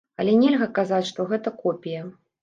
Але нельга казаць, што гэта копія.